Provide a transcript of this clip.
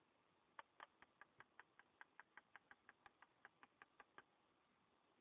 bulizi ambalo linalenga maafisa wa usalama wa taifa hilo